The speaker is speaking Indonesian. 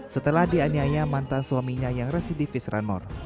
setelah dianyai mantan suaminya yang residifis ranmor